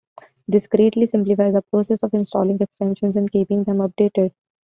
This greatly simplifies the process of installing extensions and keeping them updated.